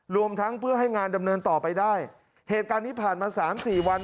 รวมทั้งเพื่อให้งานดำเนินต่อไปได้เหตุการณ์นี้ผ่านมาสามสี่วัน